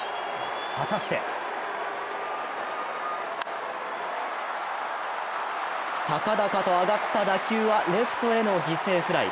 果たして高々と上がった打球はレフトへの犠牲フライ。